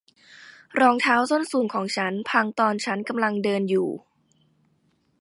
รองเท้าส้นสูงของฉันพังตอนฉันกำลังเดินอยู่